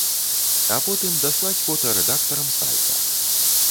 А потым даслаць фота рэдактарам сайта.